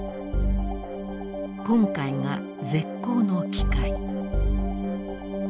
「今回が絶好の機会」。